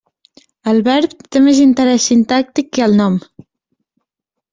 El verb té més interès sintàctic que el nom.